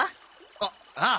あっああ。